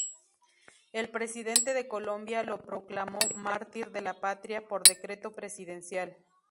El presidente de Colombia lo proclamó "Mártir de la Patria" por decreto presidencial.